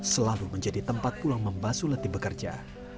selalu menjadi tempat pulang membasulati bekerja